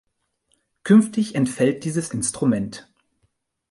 Künftig entfällt dieses Instrument.